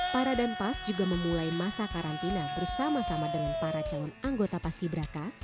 para dan pas juga memulai masa karantina bersama sama dengan para calon anggota paski beraka